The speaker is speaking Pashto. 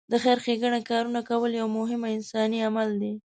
د خېر ښېګڼې کارونه کول یو مهم انساني عمل دی.